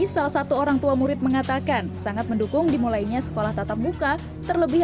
salah satu orang tua murid mengatakan sangat mendukung dimulainya sekolah tatap muka terlebih